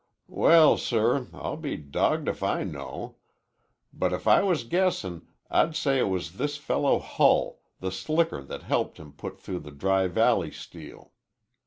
"Well, sir, I'll be dawged if I know. But if I was guessin' I'd say it was this fellow Hull, the slicker that helped him put through the Dry Valley steal.